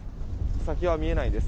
先が見えないです。